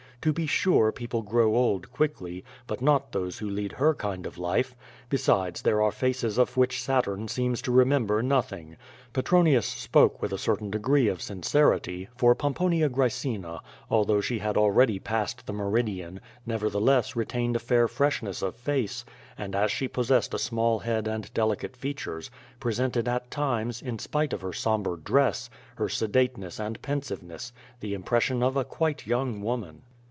To be sure people grow old quickly — ^but not those who lead her kind of life. Besides there are faces of which Saturn seems to remember nothing. Petronius spoke with a certain degree of sincerity, for Pomponia Graecina, although she had already passed the meridian, nevertheless retained a fair freshness of face; and, as she possessed a small head and delicate features, presented at times, in spite of her sombre dress, her scdateness and pensiveness, the impression of a quite young woman.